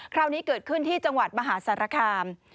คราวนี้เกิดขึ้นที่จังหวัดมหาสารคาม